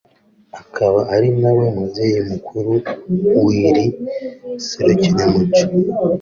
akaba ari nawe mubyeyi mukuru w’iri serukiramuco